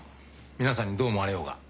皆さんにどう思われようが。